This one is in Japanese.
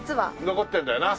残ってるんだよな。